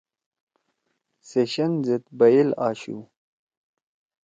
سے شین زید بیل آشُو۔